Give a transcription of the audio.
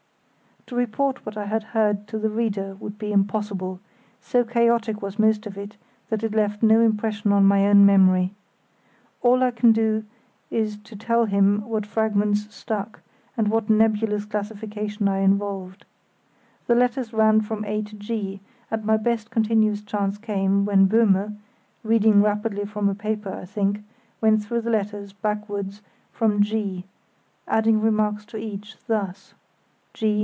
To report what I heard to the reader would be impossible; so chaotic was most of it that it left no impression on my own memory. All I can do is to tell him what fragments stuck, and what nebulous classification I involved. The letters ran from A to G, and my best continuous chance came when Böhme, reading rapidly from a paper, I think, went through the letters, backwards, from G, adding remarks to each; thus: "G.